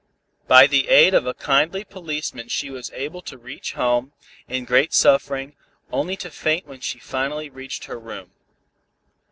By the aid of a kindly policeman she was able to reach home, in great suffering, only to faint when she finally reached her room.